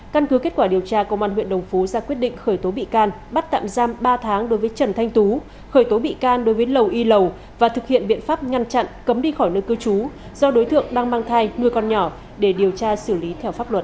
căn cứ kết quả điều tra công an huyện đồng phú ra quyết định khởi tố bị can bắt tạm giam ba tháng đối với trần thanh tú khởi tố bị can đối với lầu y lầu và thực hiện biện pháp ngăn chặn cấm đi khỏi nơi cư trú do đối tượng đang mang thai nuôi con nhỏ để điều tra xử lý theo pháp luật